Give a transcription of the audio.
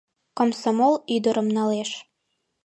КОМСОМОЛ ӰДЫРЫМ НАЛЕШ